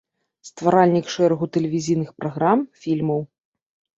Стваральнік шэрагу тэлевізійных праграм, фільмаў.